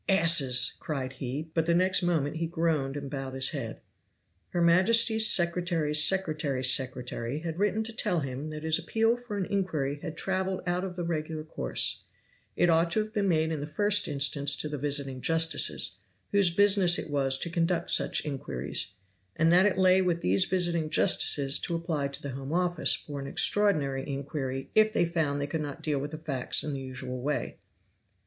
"Asses!" cried he; but the next moment he groaned and bowed his head. Her majesty's secretary's secretary's secretary had written to tell him that his appeal for an inquiry had traveled out of the regular course; it ought to have been made in the first instance to the visiting justices, whose business it was to conduct such inquiries, and that it lay with these visiting justices to apply to the Home Office for an extraordinary inquiry if they found they could not deal with the facts in the usual way.